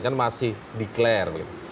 kan masih declare begitu